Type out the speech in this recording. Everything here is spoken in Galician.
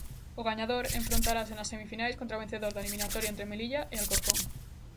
O gañador enfrontarase nas semifinais contra o vencedor da eliminatoria entre Melilla e Alcorcón.